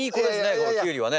このキュウリはね。